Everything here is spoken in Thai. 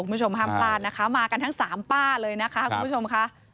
คุณผู้ชมห้ามปลาดนะคะมากันทั้งสามป้าเลยนะคะ